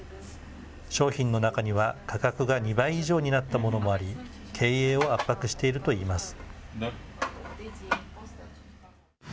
商品の中には、価格が２倍以上になったものもあり、経営を圧迫しているといいます。